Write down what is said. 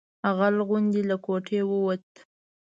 غل غوندې له کوټې ووت.